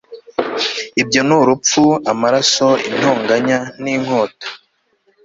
ibyo ni urupfu, amaraso, intonganya, n'inkota